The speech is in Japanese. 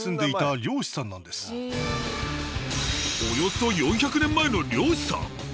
およそ４００年前の漁師さん！？